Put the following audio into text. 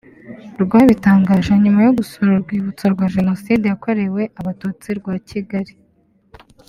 rwabitangaje nyuma yo gusura Urwibutso rwa Jenoside yakorewe abatutsi rwa Kigali